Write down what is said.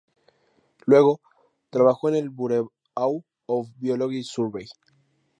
Luego, trabajó en el Bureau of Biological Survey.